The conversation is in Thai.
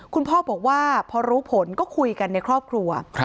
คุณพ่อบอกว่าพอรู้ผลก็คุยกันในครอบครัว